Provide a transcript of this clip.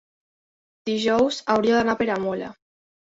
dijous hauria d'anar a Peramola.